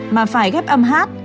mà phải ghép âm hát